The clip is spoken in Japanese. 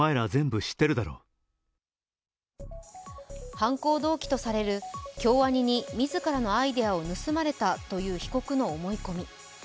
犯行動機とされる京アニに自らのアイデアを盗まれたという被告の思い込み。